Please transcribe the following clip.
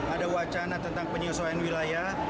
ada wacana tentang penyesuaian wilayah